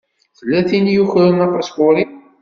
Tella tin i yukren apaspuṛ-iw.